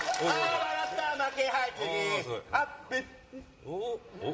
笑った負け